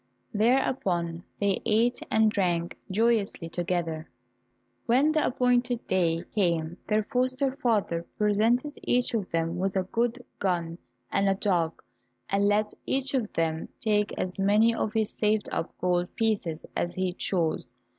Thereupon they ate and drank joyously together. When the appointed day came, their foster father presented each of them with a good gun and a dog, and let each of them take as many of his saved up gold pieces as he chose.